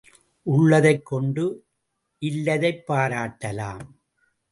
உள்ளதைக் கொண்டு இல்லதைப் பாராட்டலாம்.